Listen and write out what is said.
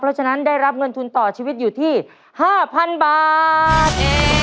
เพราะฉะนั้นได้รับเงินทุนต่อชีวิตอยู่ที่๕๐๐๐บาท